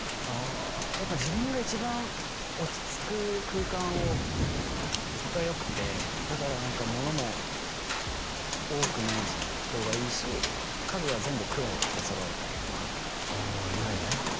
ああやっぱ自分が一番落ち着く空間をが良くてだから何か物も多くない方がいいし家具は全部黒で揃えたりとかああ色をね